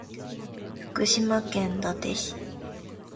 福島県伊達市